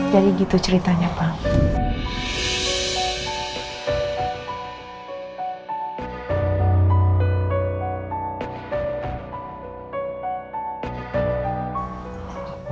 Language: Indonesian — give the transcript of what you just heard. jadi gitu ceritanya pak